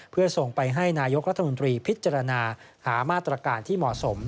เพื่อส่งไปให้นายกรัฐมนตรีพิจารณาหามาตรการที่เหมาะสม